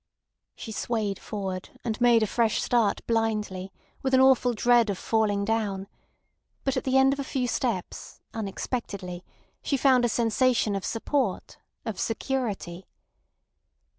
She swayed forward, and made a fresh start blindly, with an awful dread of falling down; but at the end of a few steps, unexpectedly, she found a sensation of support, of security.